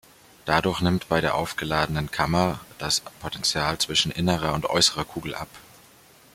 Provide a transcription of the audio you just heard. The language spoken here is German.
Dadurch nimmt bei der aufgeladenen Kammer das Potenzial zwischen innerer und äußerer Kugel ab.